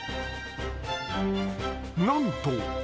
なんと！